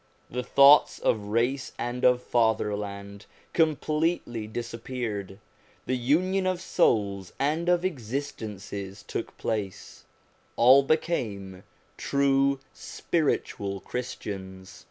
The thoughts of race and of fatherland completely disappeared; the union of souls and of existences took place ; all became true spiritual Christians.